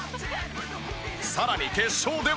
さらに決勝では。